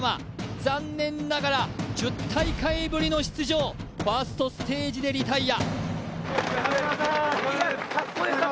残念ながら、１０大会ぶりの出場、ファーストステージでリタイア。